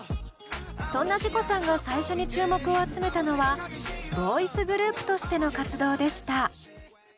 そんなＺＩＣＯさんが最初に注目を集めたのはボーイズグループとしての活動でした。